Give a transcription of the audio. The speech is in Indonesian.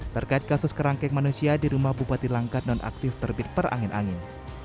terkait kasus kerangkeng manusia di rumah bupati langkat nonaktif terbit perangin angin